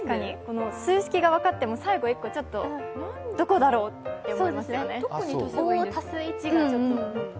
数式が分かっても、最後、どこだろうってなりますよね。